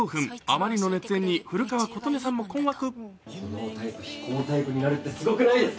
あまりの熱演に古川琴音さんも困惑。